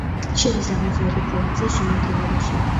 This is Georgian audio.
შედის აღმოსავლეთი პროვინციის შემადგენლობაში.